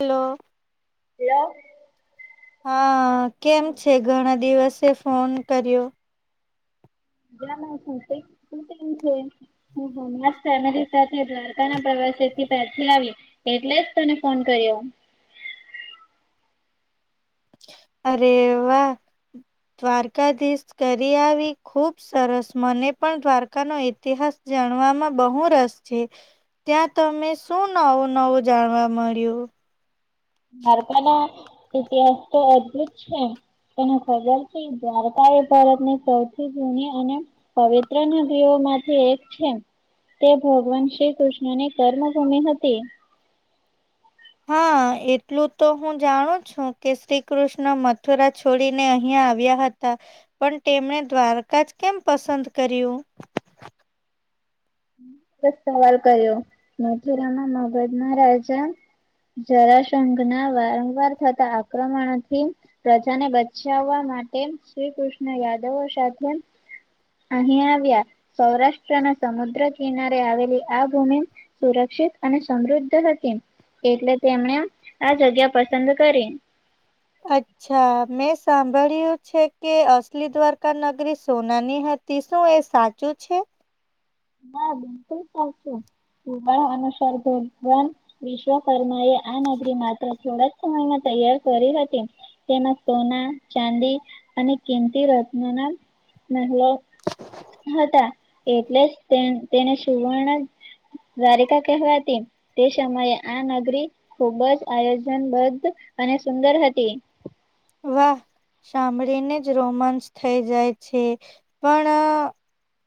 Hello. Hello. હા કેમ છે ઘણા દિવસે ફોન કર્યો. [inaudible] હું હમણાં ફેમિલી સાથે દ્વારકા ના પ્રવાસેથી પાછી આવી. એટલે જ તને ફોન કર્યો. અરે વા. દ્વારકાધીશ કરી આવી ખુબ સરસ મને પણ દ્વારકાનો ઇતિહાસ જાણવામાં બહુ રસ છે. ત્યાં તમે શું નવું નવું જાણવા મળ્યું. દ્વારકાનો ઇતિહાસ તો અદ્ભુત છે. તેને ખબર છે દ્વારકા એ ભારતની સૌથી જૂની અને પવિત્ર નદીઓમાંથી એક છે. તે ભગવાન શ્રી કૃષ્ણની કર્મભૂમિ હતી. હા. એટલું તો હું જાણું છું કે શ્રી કૃષ્ણ મથુરા છોડીને અહિયાં આવ્યા હતા. પણ તેમણે દ્વારકા જ કેમ પસંદ કર્યું? ખૂબ જ સવાલ કર્યો મથુરામાં મગધ ના રાજા જરાશઘના વારંવાર થતા આક્રમણથી પ્રજાને બચાવવા માટે શ્રી કૃષ્ણ યાદવો સાથે અહીં આવ્યા. સૌરાષ્ટ્રના સમુદ્ર કિનારે આવેલી આ ભૂમિ સુરક્ષિત અને સમૃદ્ધ હતી. એટલે તેમને આ જગ્યા પસંદ કરી. અચ્છા મેં સાંભળ્યું છે કે અસલી દ્વારકા નગરી સોનાની હતી. એ શું એ સાચું છે? ના બિલકુલ સાચું [unintelligible] વિશ્વકર્મા એ આ નગરી માત્ર થોડા જ સમયમાં તૈયાર કરી હતી. તેના સોના, ચાંદી અને કિંમતી રત્નના મહેલો. હતા. એટલે જ તેણ તેને સુવર્ણ જ દ્વારિકા કહેવાતી. તે સમયે આ નગરી ખુબ જ આયોજનબદ્વ અને સુંદર હતી. વાહ! સાંભળીને જ રોમાન્સ થઈ જાય છે પણ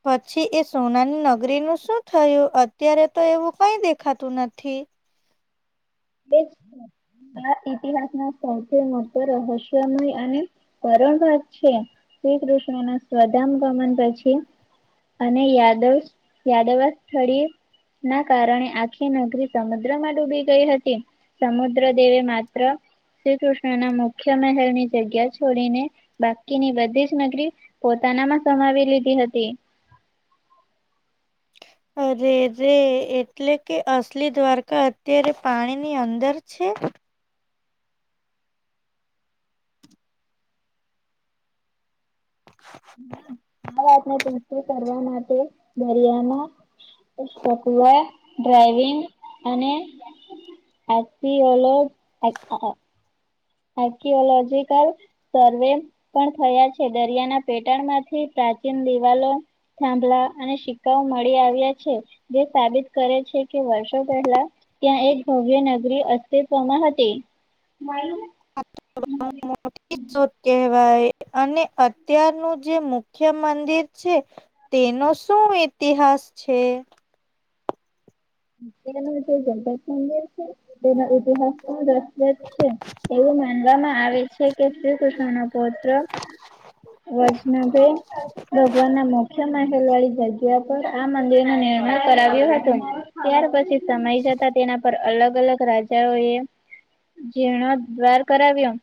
પછી એ સોનાની નગરીનું શું થયું? અત્યારે તો એવું કઈ દેખાતું નથી. [inaudible] આ ઇતિહાસનો સૌથી મોટો રહસ્યમય અને કરણ ભાગ છે. શ્રી કૃષ્ણના સ્વધામગમન પછી અને યાદવ યાદવા સ્થળિયે એના કારણે આખી નગરી સમુદ્રમાં ડૂબી ગઈ હતી. સમુ દ્ર દેવે માત્ર શ્રી કૃષ્ણના મુખ્ય મહેલની જગ્યા છોડીને બાકીની બધી જ નગરી પોતાનામાં સમાવી લીધી હતી. અરે રે એટલે કે અસલી દ્વારકા અત્યારે પાણીની અંદર છે? [inaudible] આ વાતને તુલસી કરવા માટે દરિયામાં [unintelligible] ડ્રાઈવિંગ અને આખી અલગ આખા આખી અલાવજે કાલ સર્વે પણ થયા છે. દરિયાના પેટાળમાંથી પ્રાચીન દિવાલો થાંભલા અને સિક્કાઓ મળી આવ્યા છે. જે સાબિત કરે છે કે વર્ષો પહેલા ત્યાં એક ભવ્ય નગરી અસ્તિત્વમાં હતી. [inaudible] [inaudible] એ શું કહેવાય અને અત્યારનું જે મુખ્ય મંદિર છે. તેનો શું ઇતિહાસ છે? [inaudible] સુંદર છે તેનો ઈતિહાસ સુંદર જ છે. એવું માનવામાં આવે છે કે શ્રી કૃષ્ણના પૌત્ર વજનાભે ભગવાનના મુખ્ય મહેલ વાળી જગ્યા પર આ મંદિરનું નિર્માણ કરાવ્યું હતું. ત્યાર પછી સમય જતા તેના પર અલગ અલગ રાજાઓએ જેણો દ્વાર કરાવ્યો.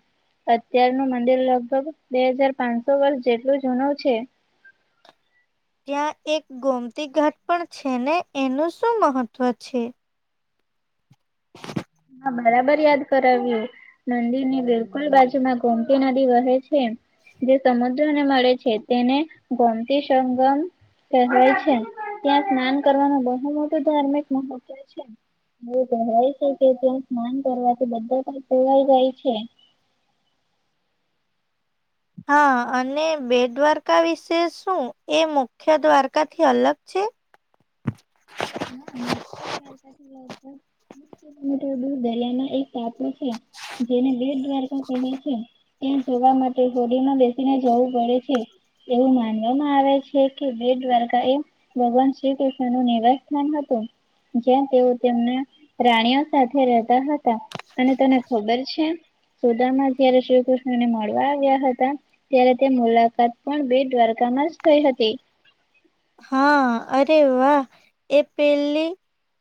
અત્યારનું મંદિર લગભગ બે હજાર પાંચસો વર્ષ જેટલું જૂનું છે. ત્યાં એક ગોમતી ઘાટ પણ છે ને? એનું શું મહત્વ છે? હ હા બરાબર યાદ કરાવ્યું. મંદિરની બિલકુલ બાજુમાં ગોમતી નદી વહે છે. જે સમુદ્રને મળે છે. તેને ગોમતી સંગમ કહેવાય છે. ત્યાં સ્નાન કરવાનું બહુ મોટું ધાર્મિક મહત્વ છે. એવું કહેવાય છે કે ત્યાં સ્નાન કરવાથી બધાં પાપ ધોવાઇ જાય છે. હા અને બે દ્વારકા વિશે શું એ મુખ્ય દ્વારકાથી અલગ છે? ના મુખ્ય દ્વારકાથી [inaudible] પાનસૌ મીટર દૂર દરિયામાં એક ટાપુ છે જેને બેટ દ્વારકા કહે છે ત્યાં જવા માટે હોડીમાં બેસીને જવું પડે છે. એવું માનવામાં આવે છે કે બેટ દ્વારકા એ ભગવાન શ્રી કૃષ્ણ નું નિવસ હતું જ્યાં તેઓ તેમના રાણીઓ સાથે રહેતા હતા. અને તને ખબર છે? સુદામાં જયારે શ્રી કૃષ્ણને મળવા આવ્યા હતા. ત્યારે તે મુલાકાત પણ બેટ દ્વારકામાં જ થઈ હતી. હા અરે વાહ! એ પેલી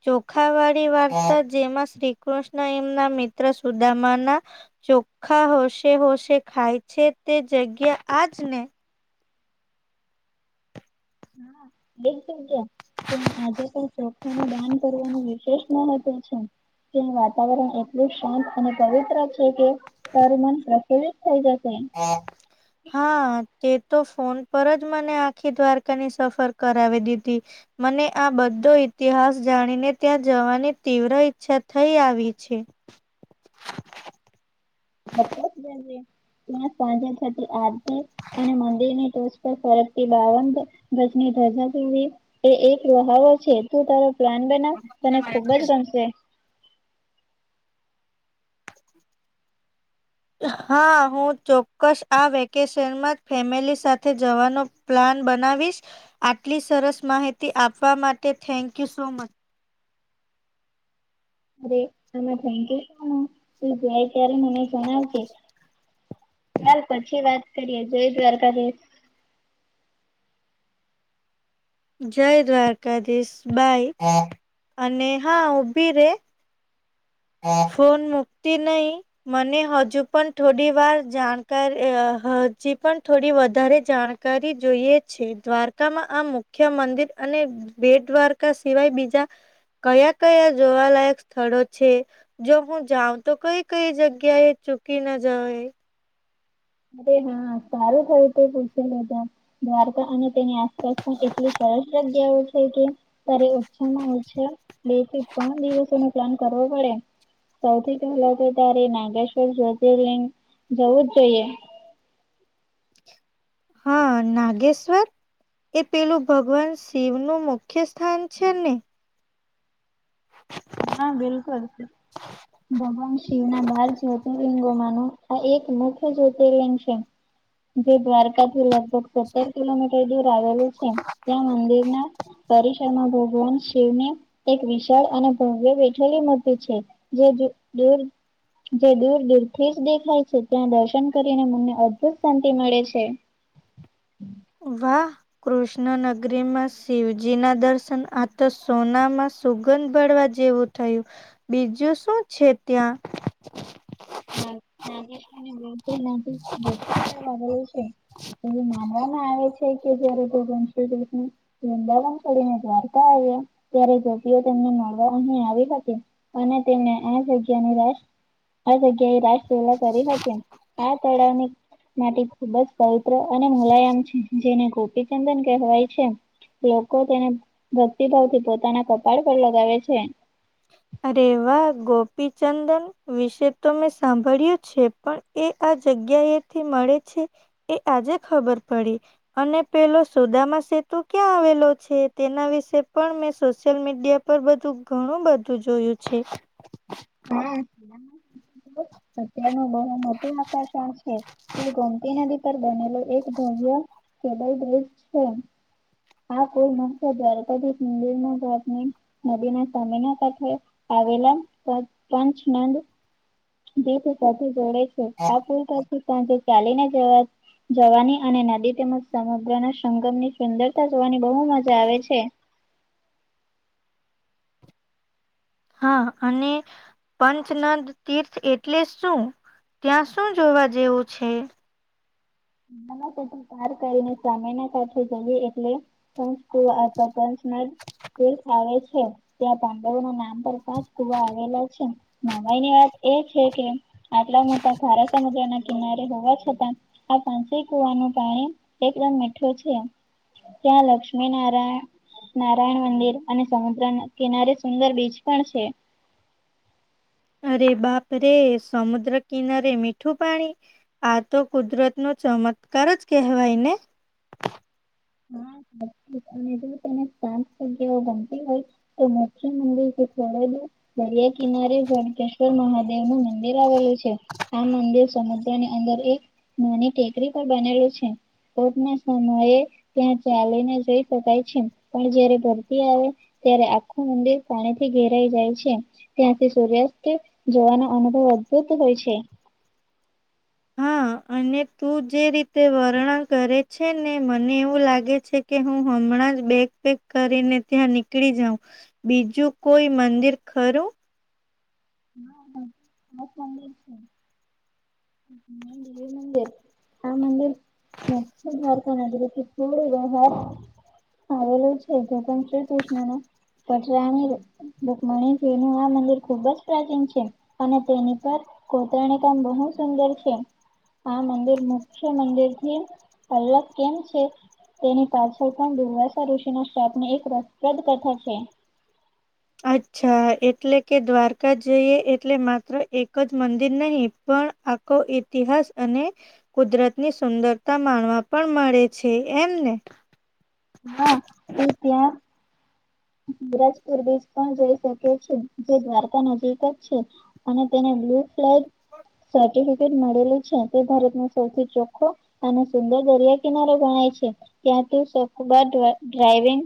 ચોખાવાળી વાર્તા જેમાં શ્રીકૃષ્ણ એમના મિત્ર સુદામાના ચોખ્ખા હોશે હોશે ખાય છે તે જગ્યા આજ ને? ના બિક ગયા કે આજે પણ ચોખા નું દાન કરવાનું વિશેષ મહત્વ છે. કે વાતાવરણ એટલું શાંત અને પવિત્ર છે કે. તારૂ મન પ્રફુલ્લિત થઈ જશે. હા. હા તે તો ફોન પરજ મને આખી દ્વારકાની સફર કરાવી દીધી. મને આ બધો ઈતિહાસ જાણીને ત્યાં જવાની તીવ્ર ઈચ્છા થઈ આવી છે. [inaudible] વપસ જે ત્યાં સાંજા સા આરતે અને મંદિર ની ટોચ પર ફરકતી બાવન ગજની ધજા જોડી એ એક વહાળો છે તું તારો પ્લાન બનાવ તને ખુબ જ ગમશે. હા હું ચોક્કસ આ વેકેશનમાં જ ફેમિલી સાથે જવાનો પ્લાન બનાવીશ આટલી સરસ માહિતી આપવા માટે થેંકયુ સોમચ. અરે આમાં થેંક્યું. સાધુ તું જાય ત્યારે મને જણાવજે. ચાલ પછી વાત કરીએ જય દ્વારકાધીશ. જય દ્વારકાધીશ બાય. અને હા ઉભી રે ફોન મુક્તિ નહી. મને હજુ પણ થોડી વાર જાણકારી હજી પણ થોડી વધારે જાણ કરી જોઈએ છે. દ્વારકામાં આ મુખ્ય મંદિર અને બેટ દ્વારકા સિવાય બીજા કયા કયા જોવાલાયક સ્થળો છે જો હું જાઉં તો કઈ કઈ જગ્યા એ ચૂકી ના જવા?? અરે હા સારું થયું તો પૂછે લ ત દ્વારકા અને તેની આસપાસ પણ એટલું સરસ લ્યા હોય છે. ત્યારે ઉછામાં ઉછા બે થી ત્રણ દિવસો ન પ્લાન કરવો પડે. સૌથી પહેલા તો ત્યારે નાગેશ્વર જ્યોતિર્લિંગ જવું જ જોઈએ. હા નાગેશ્વર. એ પેલું ભગવાન શિવ નું મુખ્ય સ્થાન છે ને. હા બિલકુલ. હ ભગવાન શિવ ના બાર જ્યોતિર્લિંગોમાં ન આ એક મુખ્ય જ્યોતિર્લિંગ છે. જે દ્વારકાલ લગ સત્તર કિલોમીટર દૂર આવેલું છે. ત્યાં મંદિરના પરિસરમાં ભગવાન જવને એક વિશાળ અને ભવ્ય બેઠેલી મ છે. જે દૂર જે દૂર દૂર થી જ દેખાય છે ત્યાં દર્શન કરીને મને અદભુત શાંતિ મળે છે. વાહ. કૃષ્ણનગરીમાં શિવજીના દર્શન આ તો સોનામાં સુગંધ બળવા જેવું થયું બીજું શું છે ત્યાં? ના નાશ મને. ના ગોપી તળ વાગર છે એ માનવામાં આવે છે. ક કે જશને. વંદાવાન પને દ્વારકા આવ્યા ત્યારે જપઓ તેમને મળવા અહી આવી. અને તેમને આ જગ્યા નુ રાસ આ જગ્યા એ રાસ વેલા કરી હતી ને આ તળાવની માટે ખુબ જ પવિત્ર અને મુલાયામ છે જેને ગોપીચંદન કહેવાય છે. લોકો તેને ભક્તિભાવ થી પોતાના કપાળ પર લગાવે છે. રેવા ગોપીચંદન વિશે તો મેં સાંભળ્યું છે પણ એ આ જગ્યાએથી મળે છે. એ આજે ખબર પડી. અને પેલો સુદામા સેતુ ક્યાં આવેલો છે? તેના વિશે પણ મેં સોશિયલ મીડિયા પર બધું ઘણું બધું જોયું છે. હા. અત્યારનું બહુ મોટું આકર્ષણ છે એ ગોમતી નદી પર બનેલો એક ભવ્ય કેદ દેશ છે હા કોઈ નુ દણપદી મંદિર નુ ડોટ નુ નદીના સમીના કાઠે આવેલા પંચનંદ જે તે સાથે જોડે છે આ પુલ પાસે પરંતુ ચાલીને જવાએ જવાની અને નદી તેમજ સમુદ્રના સંગમની સુંદરતા જોવાની બહુ મજા આવે છે. હા અને પંચનંદ તીર્થ એટલે શું ત્યાં શું જોવા જેવું છે. ના ના કો પાર કરીને સામેના સાથે જોઈએ એટલે કોઈ આ પ્રપંચમાં તીર્થ આવે છે. ત્યાં પાંડવોના નામ પર પાંચ કુવા આવેલા છે નવાાઈની વાત એ છે કે આટલા મોટા ખારા સમુદ્ર ના કિનારે હોવા છતાં આ પાંચે કુવાનું પાણી એકદમ મીઠું છે ત્યાં લક્ષ્મી નારાયણ નારાયણ મંદિર અને સમુદ્રના કિનારે સુંદર બીચ પણ છે. અરે બાપ રે સમુદ્ર કિનારે મીઠું પાણી આ તો કુદરત નો ચમત્કાર જ કહેવાય ને અને મેસેજ તનેતા ગ્યાઓ ગમતી હોય તો મોખી મંદિરથી જોડેલુ દરિયા કિનારે વણકેશ્વર મહાદેવ નું મંદિર આવેલું છે. આ મંદિર સમુદ્ર ની અંદર એક નાની ટેકરી પર બનેલું છે. કોટ ના સમયે ત્યાં ચાલીને જઈ શકાય છે પણ જયારે ધરતી આવે ત્યારે આખું મંદિર પાણી થી ઘેરાઈ જાય છે. ત્યાંથી સૂર્યાસ્ત જોવાનો અનુભવ અદભૂત હોય છે. હા અને તું જે રીતે વર્ણન કરે છે ને મને એવું લાગે છે. કે હું હમણાં જ બેગ પેગ કરીને ત્યાં નીકળી જાઉં બીજું કોઈ મંદિર ખરું હા. હા સાચું છે. [unintelligible] આ મંદિર [unintelligible] થોડું વધારે હવે આવેલું છે જ શ્રી કૃષ્ણના પતરાની રુકમણીજી નું આ મંદિર ખુબ જ પ્રાચીન છે અને તેની પર કોતરાણી કામ બહુ સુંદર છે આ મંદિર મુખ્ય મંદિર થી અલગ કેમ છે? તેની પાછળ પણ દુર્વાસા ઋષિના સ્થાપની એક રપ્રદ કથા છે. અચ્છા એટલે કે દ્વારકા જઈએ એટલે માત્ર એક જ મંદિર નહી પણ આ કો ઇતિહાસ અને કુદરત ની સુંદરતા માણવા પણ મળે છે એમ ને હા. એ પ એ બરાજપુર બીચ પણ જઈ શકે છે જે દ્વારકા નજીક જ છે અને તેને બ્લુ ફ્લેગ સર્ફ- તે મળેલું છે તે ભારત નું સૌથી ચોખ્ખો અને સુંદર દરિયા કિનારો ગણાય છે. ત્યાં તું શોકબાર ડ્રાઈવિંગ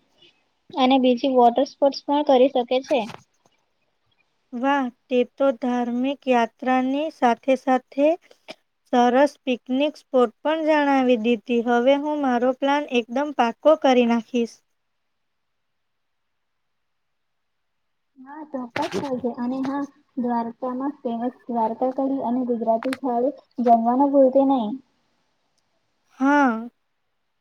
અને બીજ ઈ વોટર સ્પોર્ટસ પણ કરી શકે છે [inaudible] વાહ તે તો ધાર્મિક યાત્રાની સાથે સાથે સરસ પિકનિક સ્પોટ પણ જણાવી દીધી હવે હું મારો પ્લાન એકદમ પાક્કો કરી નાખીશ હા ચોક્કસ ક છે અને હા દ્વારકામાં ફેમસ દ્વારકા કરી અને ગુજરાતી થાળી જમવાનું ભૂલતે નહી હા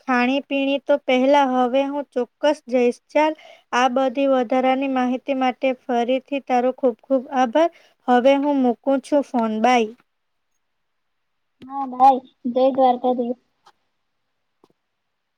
ખાણી પીણી તો પહેલા હવે હું ચોક્કસ જઈશ ચાલ આ બધી વધારાની માહિતી માટે ફરીથી તારો ખૂબ ખૂબ આભાર હવે હું મુકું છું ફોન ભાઈ હા, ભાઈ જય દ્વારકા દેવ.